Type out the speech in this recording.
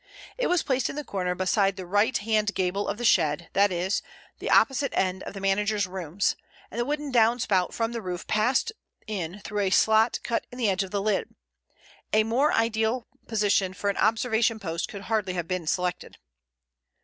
It was placed in the corner beside the right hand gable of the shed, that is, the opposite end of the manager's rooms, and the wooden down spout from the roof passed in through a slot cut in the edge of the lid. A more ideal position for an observation post could hardly have been selected.